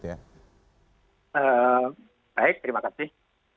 baik terima kasih